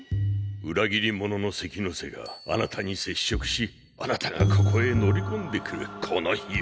裏切り者の関ノ瀬があなたに接触しあなたがここへ乗り込んでくるこの日を。